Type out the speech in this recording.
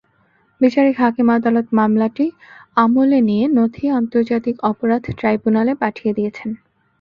বিচারিক হাকিম আদালত মামলাটি আমলে নিয়ে নথি আন্তর্জাতিক অপরাধ ট্রাইব্যুনালে পাঠিয়ে দিয়েছেন।